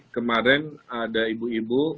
kemarin ada ibu ibu